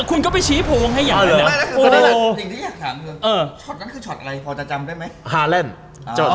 คือคลั้นที่คนนั้นคือชอตอะไรพอจะจำได้ไหม